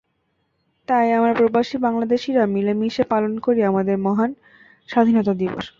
তাই আমরা প্রবাসী বাংলাদেশিরা মিলেমিশে পালন করি আমাদের মহান স্বাধীনতা দিবস।